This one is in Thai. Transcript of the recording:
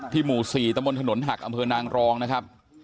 หมู่๔ตะบนถนนหักอำเภอนางรองนะครับ